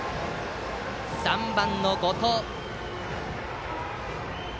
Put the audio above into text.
３番の後藤。